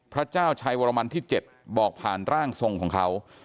พระเจ้าชัยวรมันที่๗บอกผ่านร่างทรงของเขา